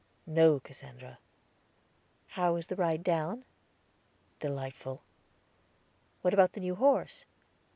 "No, Cassandra." "How was the ride down?" "Delightful." "What about the new horse?"